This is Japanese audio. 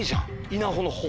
稲穂の「穂」。